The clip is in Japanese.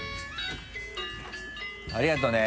ありがとね。